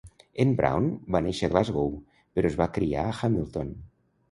En Brown va néixer a Glasgow, però es va criar a Hamilton.